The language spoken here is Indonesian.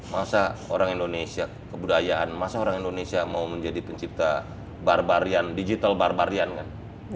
masa orang indonesia kebudayaan masa orang indonesia mau menjadi pencipta barbarian digital barbarian kan